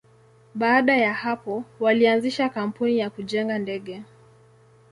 Baada ya hapo, walianzisha kampuni ya kujenga ndege.